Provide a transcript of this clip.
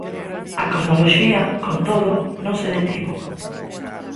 A cosmoloxía, con todo, non se detivo.